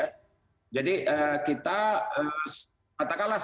kalau di indonesia itu sudah lebih seratus mw